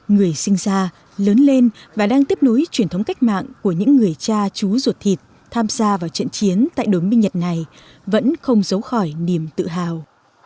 người sinh ra lớn lên và đang tiếp nối truyền thống cách mạng của những người cha chú ruột thịt tham gia vào trận chiến tại đối minh nhật này vẫn không giấu khỏi niềm tự hào